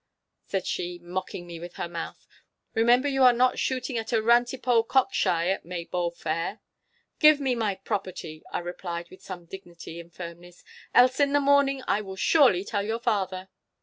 she said, mocking me with her mouth. 'Remember you are not shooting at a rantipole cockshy at Maybole fair.' 'Give me my property,' I replied with some dignity and firmness, 'else in the morning I will surely tell your father.